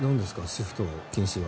シフト禁止は。